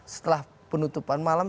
setelah penutupan malam